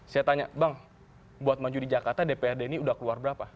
saya tanya bang buat maju di jakarta dprd ini udah keluar berapa